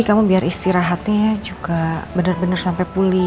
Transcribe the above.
jadi kamu biar istirahatnya juga bener bener sampe pulih